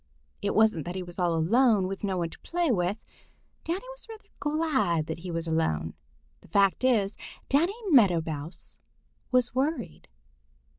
It wasn't that he was all alone with no one to play with. Danny was rather glad that he was alone. The fact is, Danny Meadow Mouse was worried.